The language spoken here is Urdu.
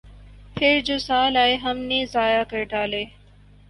پھر جو سال آئے ہم نے ضائع کر ڈالے۔